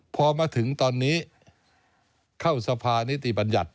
พอมาถึงตอนนี้เข้าสภานิติบัญญัติ